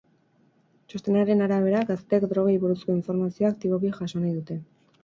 Txostenaren arabera, gazteek drogei buruzko informazioa aktiboki jaso nahi dute.